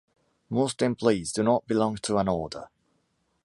Most employees do not belong to an order.